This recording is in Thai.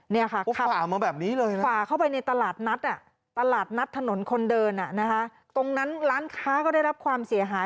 เนี่ยค่ะขับเข้าไปในตลาดนัดตลาดนัดถนนคนเดินตรงนั้นร้านค้าก็ได้รับความเสียหาย